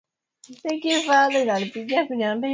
haiwezi kufanyika sehemu nyingine yeyote mungu amemuonyesha